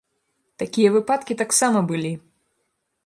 Такія выпадкі таксама былі!